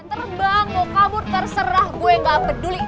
jangan terbang kamu terserah gue gak peduli